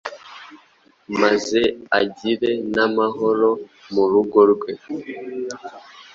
maze agire n’amahoro mu rugo rwe,